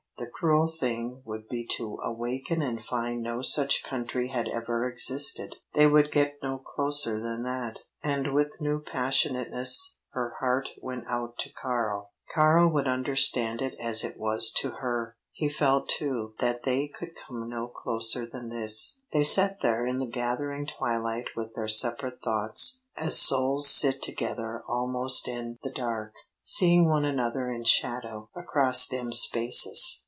"The cruel thing would be to awaken and find no such country had ever existed." They would get no closer than that, and with new passionateness her heart went out to Karl. Karl would understand it as it was to her! He too felt that they could come no closer than this. They sat there in the gathering twilight with their separate thoughts as souls sit together almost in the dark, seeing one another in shadow, across dim spaces.